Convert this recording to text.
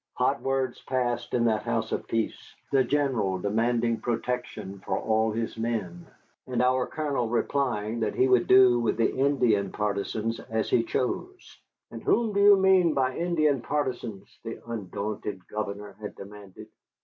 Hot words passed in that house of peace, the General demanding protection for all his men, and our Colonel replying that he would do with the Indian partisans as he chose. "And whom mean you by Indian partisans?" the undaunted governor had demanded.